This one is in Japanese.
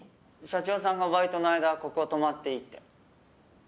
社長さんがバイトの間はここ泊まっていいって。